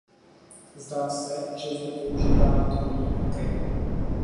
Zdá se, že zde používáme dvojí metr.